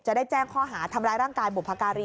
ได้แจ้งข้อหาทำร้ายร่างกายบุพการี